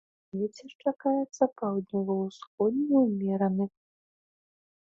Вецер чакаецца паўднёва-ўсходні ўмераны.